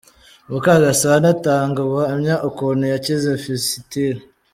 Mukagasana atanga ubuhamya ukuntu yakize fisitile.